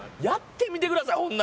やってみてください！